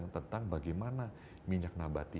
tentang bagaimana minyak nabati